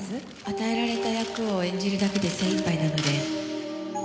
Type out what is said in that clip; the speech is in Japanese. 「与えられた役を演じるだけで精一杯なので」